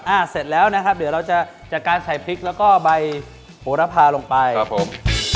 เสร็จแล้วนะครับเดี๋ยวเราจะจัดการใส่พริกแล้วก็ใบโหระพาลงไปครับผม